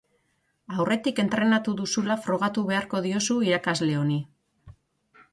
Aurretik entrenatu duzula frogatu beharko diozu irakasle honi.